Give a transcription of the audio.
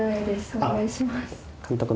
お願いします